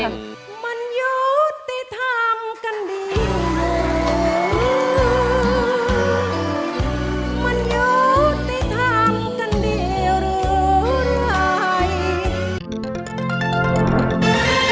สวัสดีครับ